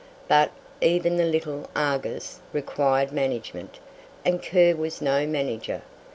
But even the little "Argus" required management, and Kerr was no manager.